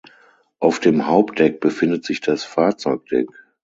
Auf dem Hauptdeck befindet sich das Fahrzeugdeck.